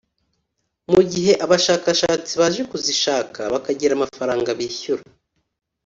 mu gihe abashakashatsi baje kuzishaka bakagira amafaranga bishyura